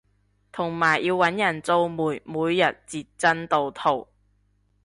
同埋要搵人做媒每日截進度圖